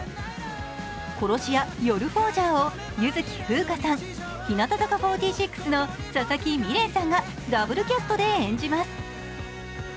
殺し屋ヨル・フォージャーを唯月ふうかさん、日向坂４６の佐々木美玲さんがダブルキャストで演じます。